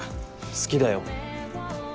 好きだよ。